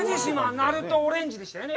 ナルトオレンジでしたよね。